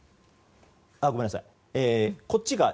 ごめんなさい。